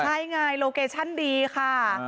ใช่ไงโลเคชั่นดีค่ะ